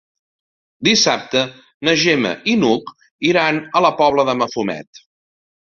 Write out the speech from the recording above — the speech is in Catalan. Dissabte na Gemma i n'Hug iran a la Pobla de Mafumet.